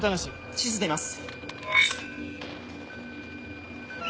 地図出ます。